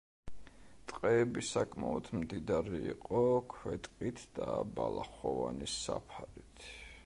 ტყეები საკმაოდ მდიდარი იყო ქვეტყით და ბალახოვანი საფარით.